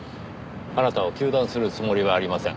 あなたを糾弾するつもりはありません。